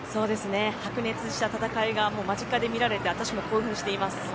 白熱した戦いが間近で見られて私も興奮しています。